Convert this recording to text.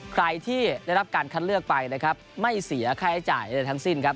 ใครที่ได้รับการคัดเลือกไปนะครับไม่เสียค่าใช้จ่ายอะไรทั้งสิ้นครับ